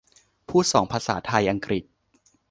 พูดสองภาษา ไทย-อังกฤษ ?